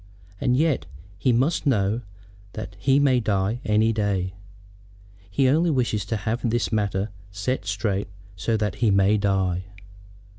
And yet he must know that he may die any day. He only wishes to have this matter set straight so that he may die.